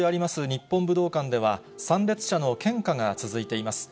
日本武道館では、参列者の献花が続いています。